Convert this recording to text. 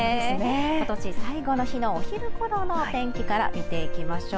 今年最後の日のお昼ごろのお天気から見ていきましょう。